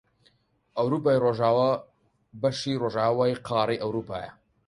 ئەوروپای ڕۆژئاوا بەشی ڕۆژئاوای قاڕەی ئەوروپایە